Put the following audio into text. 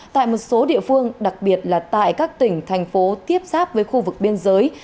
tại một số địa phương đặc biệt là tại các tỉnh thành phố tiếp sáp với khu vực biên giới